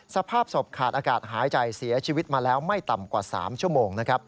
สภาพศพขาดอากาศหายใจเสียชีวิตมาแล้วไม่ต่ำกว่า๓ชั่วโมง